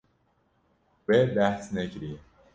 We behs nekiriye.